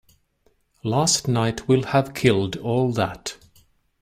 Last night will have killed all that.